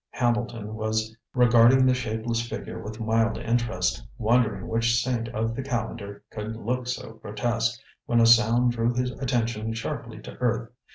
Hambleton was regarding the shapeless figure with mild interest, wondering which saint of the calendar could look so grotesque, when a sound drew his attention sharply to earth.